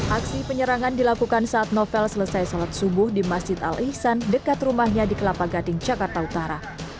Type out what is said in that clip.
aksi penyerangan dilakukan saat novel selesai sholat subuh di masjid al ihsan dekat rumahnya di kelapa gading jakarta utara